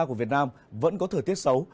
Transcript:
của việt nam vẫn có thời tiết xấu